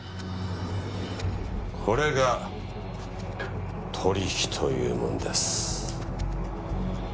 これが取引というものです。